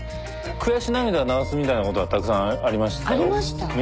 悔し涙流すみたいなことはたくさんありましたよ。